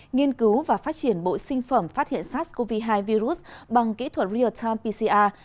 nghiên cứu và phát triển bộ sinh phẩm phát hiện sars cov hai virus bằng kỹ thuật real time pcr